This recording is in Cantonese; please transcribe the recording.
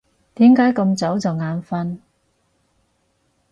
點解咁早就眼瞓？